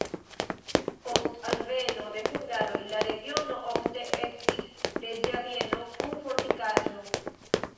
Post alveno de hungaroj la regiono ofte estis reĝa bieno kun fortikaĵo.